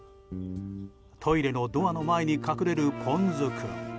トイレのドアの前に隠れるポン酢君。